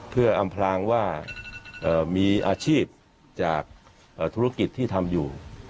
เพื่ออำพลางว่ามีอาชีพจากธุรกิจที่ทำอยู่